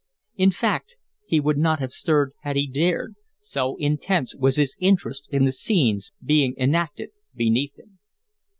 In fact, he would not have stirred had he dared, so intense was his interest in the scenes being enacted beneath him.